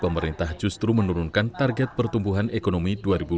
pemerintah justru menurunkan target pertumbuhan ekonomi dua ribu dua puluh